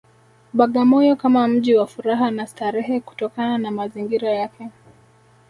Bagamoyo kama mji wa furaha na starehe kutokana na mazingira yake